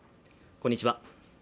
こんにちは